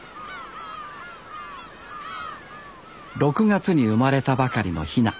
６月に生まれたばかりのヒナ。